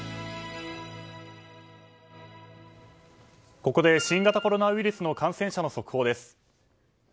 ここで新型コロナウイルスの感染者の速報です。